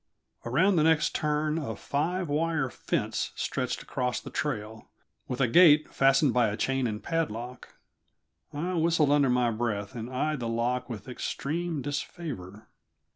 Around the next turn a five wired fence stretched across the trail, with a gate fastened by a chain and padlock. I whistled under my breath, and eyed the lock with extreme disfavor.